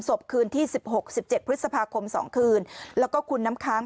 คืนที่สิบหกสิบเจ็ดพฤษภาคมสองคืนแล้วก็คุณน้ำค้าง